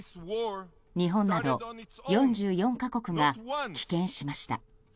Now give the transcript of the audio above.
日本など４４か国が棄権しました。